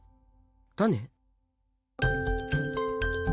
種！？